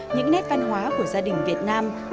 những nét văn hóa của gia đình việt nam